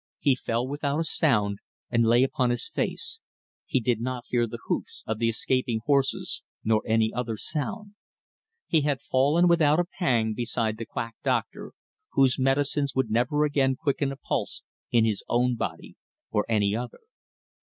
He fell without a sound, and lay upon his face he did not hear the hoofs of the escaping horses nor any other sound. He had fallen without a pang beside the quackdoctor, whose medicines would never again quicken a pulse in his own body or any other.